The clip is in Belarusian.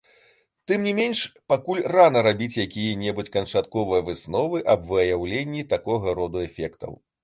Тым не менш, пакуль рана рабіць якія-небудзь канчатковыя высновы аб выяўленні такога роду эфектаў.